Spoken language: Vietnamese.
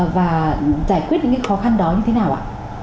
và giải quyết những cái khó khăn đó như thế nào ạ